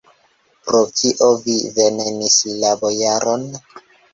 Pro kio vi venenis la bojaron?